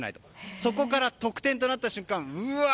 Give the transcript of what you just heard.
そこから得点となった瞬間うわー！